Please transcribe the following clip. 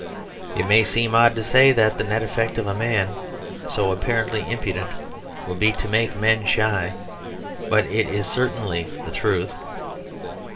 It may seem odd to say that the net effect of a man so apparently impudent will be to make men shy. But it is certainly the truth.